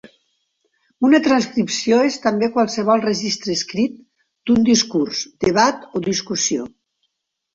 Una transcripció és també qualsevol registre escrit d'un discurs, debat o discussió.